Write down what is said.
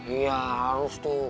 iya harus tuh